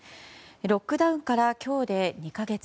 ロックダウンから今日で２か月。